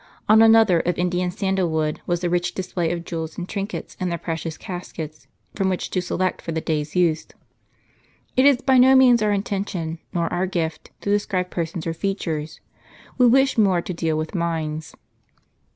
* On another, of Indian sandal wood, was a rich display of jewels and trinkets in their precious caskets, from which to select for the day's use. It is by no means our intention, nor our gift, to describe persons or features ; we wish more to deal with minds.